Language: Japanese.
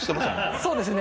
そうですね。